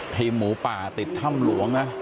เป็นหมู่ป่าติดท่ำหลวงนะ